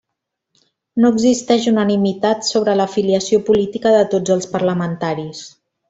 No existeix unanimitat sobre l'afiliació política de tots els parlamentaris.